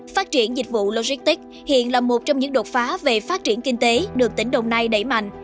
phát triển dịch vụ logistics hiện là một trong những đột phá về phát triển kinh tế được tỉnh đồng nai đẩy mạnh